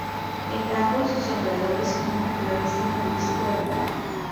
El lago y sus alrededores son un popular destino turístico de verano.